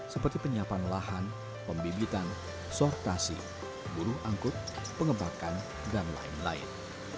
seperti penyiapan lahan pembibitan sortasi buruh angkut pengembakan dan lain lain